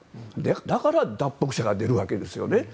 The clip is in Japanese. だから脱北者が出るわけですよね。